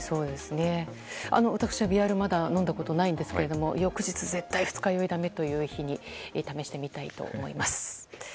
私は微アルまだ飲んだことないんですけども翌日、絶対二日酔いだめという日に試してみたいと思います。